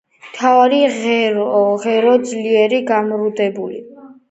მთავარი ღერო ძლიერაა გამრუდებული.